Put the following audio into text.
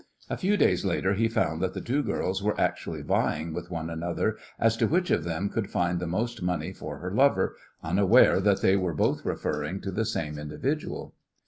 A few days later he found that the two girls were actually vying with one another as to which of them could find the most money for her lover, unaware that they were both referring to the same individual.